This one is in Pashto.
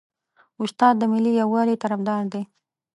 استاد د ملي یووالي طرفدار دی.